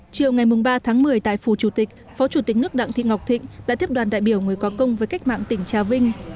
chiều ngày ba tháng một mươi tại phù chủ tịch phó chủ tịch nước đặng thị ngọc thịnh đã tiếp đoàn đại biểu người có công với cách mạng tỉnh trà vinh